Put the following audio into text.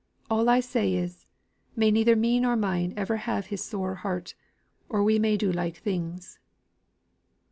All I say is, may neither me nor mine ever have his sore heart, or we may do like things."